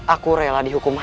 aku rela dihukum